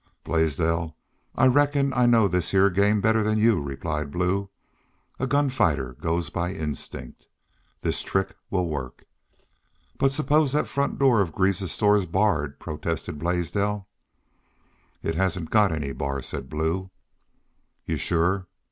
"Blaisdell, I reckon I know this heah game better than y'u," replied Blue. "A gun fighter goes by instinct. This trick will work." "But suppose that front door of Greaves's store is barred," protested Blaisdell. "It hasn't got any bar," said Blue. "Y'u're shore?"